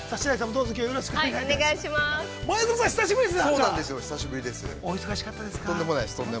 どうぞきょうはよろしくお願いします。